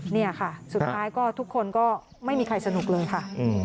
นี่ค่ะสุดท้ายก็ทุกคนก็ไม่มีใครสนุกเลยค่ะ